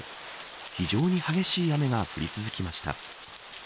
非常に激しい雨が降り続きました。